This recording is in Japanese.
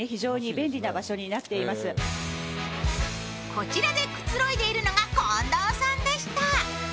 こちらでくつろいでいるのが近藤さんでした。